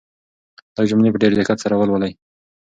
دا جملې په ډېر دقت سره ولولئ.